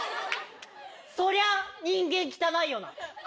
そりゃ、人間汚いよな。